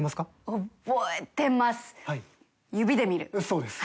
そうです。